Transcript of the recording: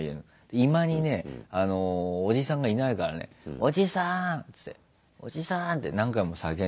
居間にねおじさんがいないからね「おじさん！」って「おじさん！」って何回も叫んでたらね